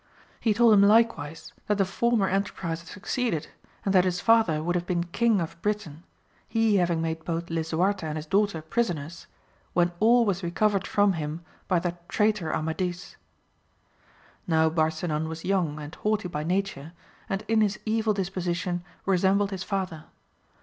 He told him likewise that the former enterprize had succeeded, and that his father would have been king of Britain, he having made both Lisuarte and his daughter prisoners, when all was recovered from him by that traitor Amadis. Now Barsinan was young and haughty by nature, and in his evil disposition resembled his father.